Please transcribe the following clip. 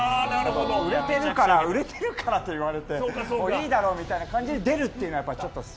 売れてるから、売れてるからと言われていいだろみたいな感じで出るというのはちょっと。